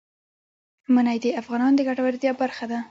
منی د افغانانو د ګټورتیا برخه ده.